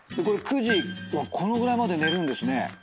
これ９時はこのぐらいまで寝るんですね。